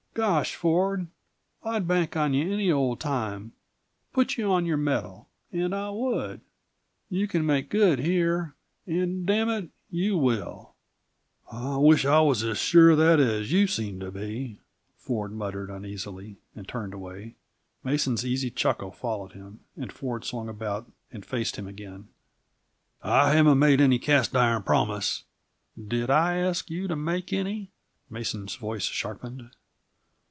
Gosh, Ford, I'd bank on you any old time put you on your mettle, and I would! You can make good here and damn it, you will!" "I wish I was as sure of that as you seem to be," Ford muttered uneasily, and turned away. Mason's easy chuckle followed him, and Ford swung about and faced him again. "I haven't made any cast iron promise " "Did I ask you to make any?" Mason's voice sharpened.